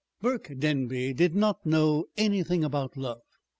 Burke Denby did not know anything about love.